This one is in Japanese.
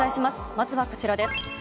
まずはこちらです。